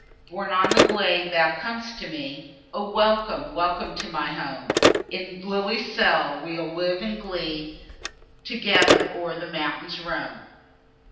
Borne on the gale, thou com'st to me; O! welcome, welcome to my home! In lily's cell we'll live in glee, Together o'er the mountains roam!